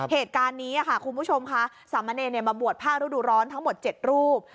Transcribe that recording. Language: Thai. เหตุการณ์นี้ค่ะคุณผู้ชมค่ะสามเณรมาบวชผ้าฤดูร้อนทั้งหมด๗รูป